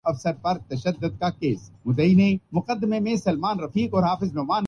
خلافتِ راشدہ کے زمانے میں اس اصول کو ہمیشہ ملحوظ رکھا گیا